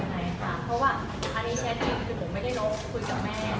เพราะว่าอันนี้แท้จริงคือผมไม่ได้ลบคุยกับแม่